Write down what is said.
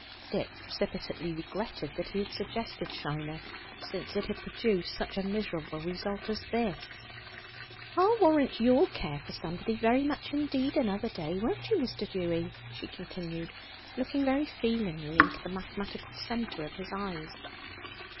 Dick precipitately regretted that he had suggested Shiner, since it had produced such a miserable result as this. "I'll warrant you'll care for somebody very much indeed another day, won't you, Mr. Dewy?" she continued, looking very feelingly into the mathematical centre of his eyes.